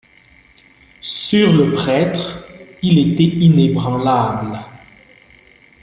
Sur le prêtre, il était inébranlable.